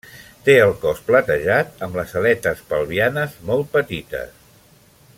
Té el cos platejat amb les aletes pelvianes molt petites.